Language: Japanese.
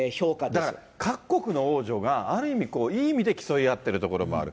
だから各国の王女が、ある意味こう、いい意味で競い合っているところもある。